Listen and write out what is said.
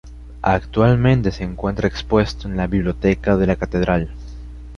Actualmente se encuentra expuesto en la biblioteca de la catedral.